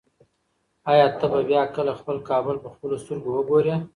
ایا ته به بیا کله خپل کابل په خپلو سترګو وګورې؟